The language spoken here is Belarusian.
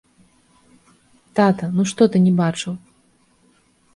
Тата, ну што ты не бачыў?